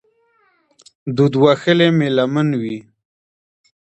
دود وهلې مې لمن وي